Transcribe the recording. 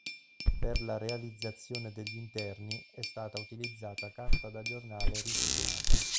Per la realizzazione degli interni è stata utilizzata carta da giornale riciclata.